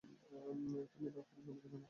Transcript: তুমি ডার্কহোল্ড সম্পর্কে জানো?